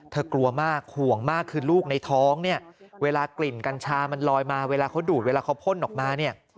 กลัวมากห่วงมากคือลูกในท้องเนี่ยเวลากลิ่นกัญชามันลอยมาเวลาเขาดูดเวลาเขาพ่นออกมาเนี่ย